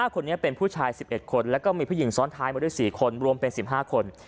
คนนี้เป็นผู้ชาย๑๑คนแล้วก็มีผู้หญิงซ้อนท้ายมาด้วย๔คนรวมเป็น๑๕คน